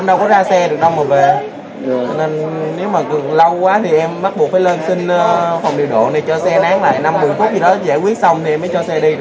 giải quyết xong thì em mới cho xe đi được